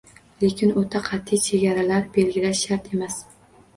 Lekin o‘ta “qat’iy” chegaralar belgilash shart emas.